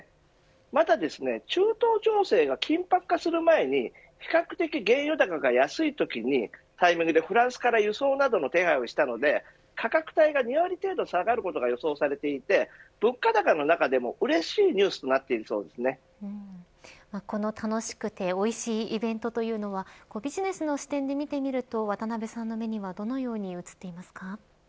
また中東情勢が緊迫化する前に比較的、原油高が安いときにフランスから輸送などの手配をしたので価格帯が２割程度下がることが予想されていて物価高の中でもうれしいこの楽しくておいしいイベントというのはビジネスの視点で見てみると渡辺さんの目にはどのように映っていますか。